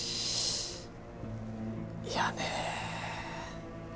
いやねえ